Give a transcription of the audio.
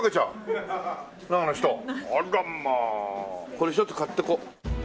これ１つ買っていこう。